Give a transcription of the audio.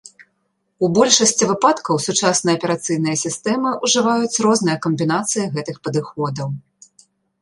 У большасці выпадкаў сучасныя аперацыйныя сістэмы ужываюць розныя камбінацыі гэтых падыходаў.